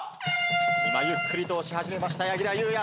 今ゆっくりと押し始めました柳楽優弥。